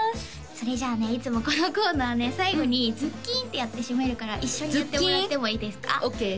それじゃあねいつもこのコーナーね最後に「ズッキーン」ってやって締めるから一緒にやってもらってもいい？ズッキーン？